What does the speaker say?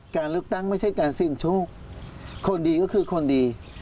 การเลือกตั้งไม่ใช่การเสี่ยงโชคคนดีก็คือคนดี